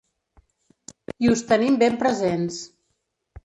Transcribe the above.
I us tenim ben presents.